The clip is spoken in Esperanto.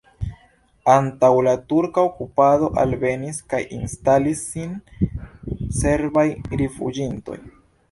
Antaŭ la turka okupado alvenis kaj instalis sin serbaj rifuĝintoj.